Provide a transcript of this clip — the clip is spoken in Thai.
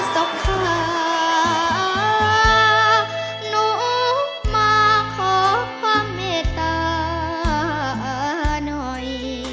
บขาหนูมาขอความเมตตาหน่อย